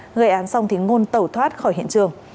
gây án xong thì ngôn tẩu thoát khỏi hiện trường